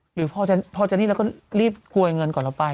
หรือพอจะนี่แล้วก็รีบกลวยเงินก่อนเราไป